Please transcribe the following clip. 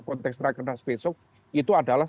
konteks kerak renas besok itu adalah